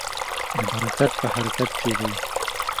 برکت په حرکت کې دی.